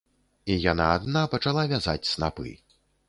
І яна адна пачала вязаць снапы.